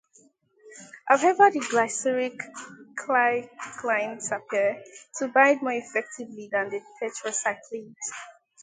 However, the glycylcyclines appear to bind more effectively than the tetracyclines.